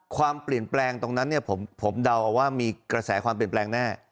ความเปลี่ยนแปลงตรงนั้นเนี่ยผมเดาเอาว่ามีกระแสความเปลี่ยนแปลงแน่